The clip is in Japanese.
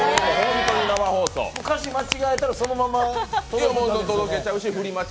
歌詞を間違えたら、そのまま届けちゃうんですよね。